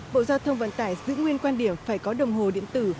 bộ giao thông vận tải giữ nguyên quan điểm phải có đồng hồ điện tử